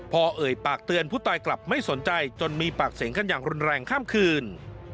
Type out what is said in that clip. พอเอ่ยปากเตือนผู้ตายกลับไม่สนใจจนมีปากเสียงกันอย่างรุนแรงข้ามคืน